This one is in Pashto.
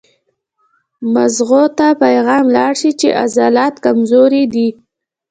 مزغو ته پېغام لاړ شي چې عضلات کمزوري دي